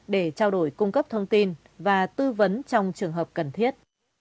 để trao đổi cung cấp thông tin và tư vấn trong trường hợp cần thiết